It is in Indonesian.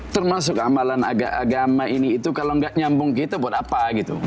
termasuk amalan agama ini itu kalau nggak nyambung kita buat apa gitu